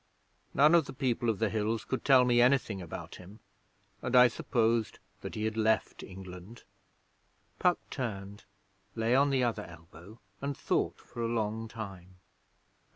None of the People of the Hills could tell me anything about him, and I supposed that he had left England.' Puck turned; lay on the other elbow, and thought for a long time.